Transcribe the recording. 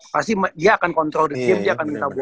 pasti dia akan control the game dia akan minta bola